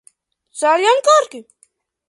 ძალიან კარგი.